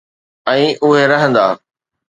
۽ اھي رھندا.